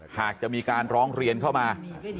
หากจะมีการร้องเรียนเข้ามา